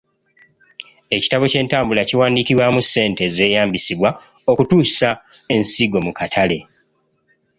Ekitabo ky’entambula kiwandiikibwamu ssente ezeeyambisibwa okutuusa ensigo mu katale.